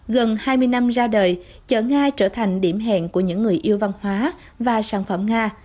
gần hai mươi năm ra đời chợ nga trở thành điểm hẹn của những người yêu văn hóa và sản phẩm nga